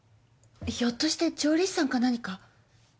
ひょっとして調理師さんか何か？